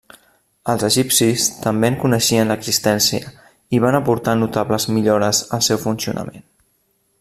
Els egipcis també en coneixien l'existència i van aportar notables millores al seu funcionament.